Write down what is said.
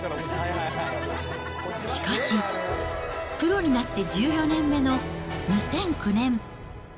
しかし、プロになって１４年目の２００９年。